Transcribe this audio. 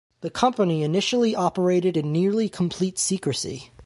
The company initially operated in nearly-complete secrecy.